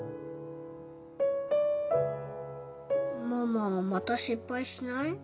ママまた失敗しない？